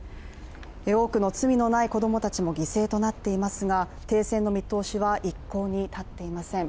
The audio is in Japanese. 多くの罪のない子供たちが犠牲となっていますが停戦の見通しは一向に立っていません。